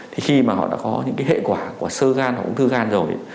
thì khi mà họ đã có những cái hệ quả của sơ gan hoặc ung thư gan rồi